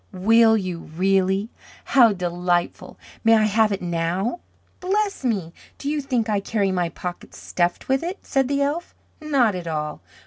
"Will you really? How delightful. May I have it now?" "Bless me. Do you think I carry my pockets stuffed with it?" said the elf. "Not at all.